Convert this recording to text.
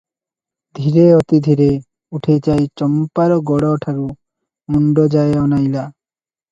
ଧୀରେ, ଅତି ଧୀରେ ଉଠିଯାଇ ଚମ୍ପାର ଗୋଡ଼ଠାରୁ ମୁଣ୍ତ ଯାଏ ଅନାଇଲା ।